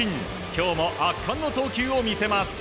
今日も圧巻の投球を見せます。